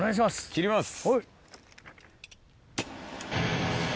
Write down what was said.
切ります。